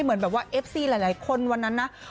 เหมือนแบบว่าเอฟซีหลายคนวันนั้นนะ